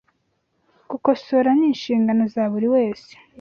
gukosora Ni inshingano za buri wese